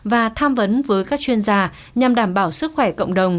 và tham vấn với các chuyên gia nhằm đảm bảo sức khỏe cộng đồng